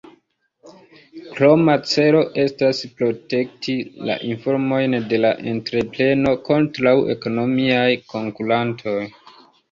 Kroma celo estas protekti la informojn de la entrepreno kontraŭ ekonomiaj konkurantoj.